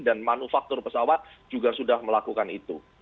dan manufaktur pesawat juga sudah melakukan itu